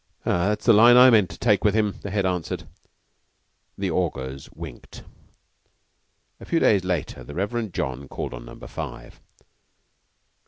"That's the line I mean to take with him," the Head answered. The Augurs winked. A few days later the Reverend John called on Number Five.